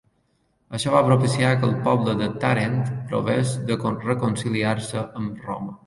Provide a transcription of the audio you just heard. Això va propiciar que el poble de Tàrent provés de reconciliar-se amb Roma.